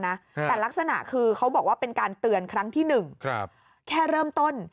แต่ลักษณะคือเขาบอกว่าเป็นการเตือนครั้งที่หนึ่งครับแค่เริ่มต้น